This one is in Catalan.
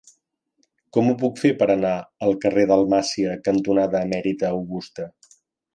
Com ho puc fer per anar al carrer Dalmàcia cantonada Emèrita Augusta?